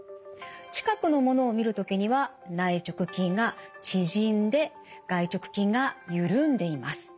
近くの物を見る時には内直筋が縮んで外直筋がゆるんでいます。